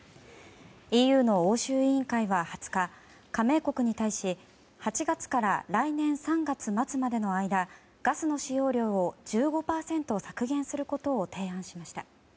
ＥＵの欧州委員会は、２０日加盟国に対し８月から、来年３月末までの間ガスの使用量を１５％削減することを提案しました。